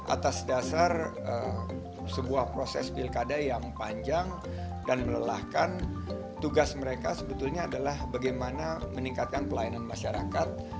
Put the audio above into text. atas dasar sebuah proses pilkada yang panjang dan melelahkan tugas mereka sebetulnya adalah bagaimana meningkatkan pelayanan masyarakat